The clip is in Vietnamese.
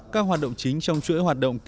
các hoạt động chính trong chuỗi hoạt động kỳ